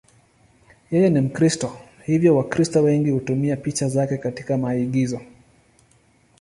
Yeye ni Mkristo, hivyo Wakristo wengi hutumia picha zake katika maigizo.